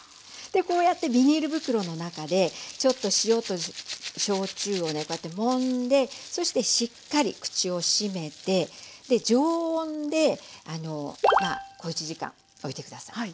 でこうやってビニール袋の中でちょっと塩と焼酎をねこうやってもんでそしてしっかり口を閉めて常温で小一時間おいて下さい。